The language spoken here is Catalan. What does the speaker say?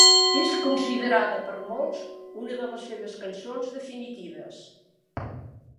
És considerada per molts una de les seves cançons definitives.